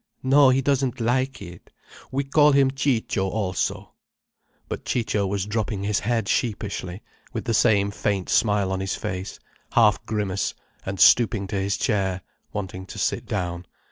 No, he doesn't like it. We call him Ciccio also—" But Ciccio was dropping his head sheepishly, with the same faint smile on his face, half grimace, and stooping to his chair, wanting to sit down.